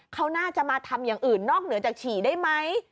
เขาน่าจะมาทำอย่างอื่นนอกเหนือจากฉี่ได้ไหม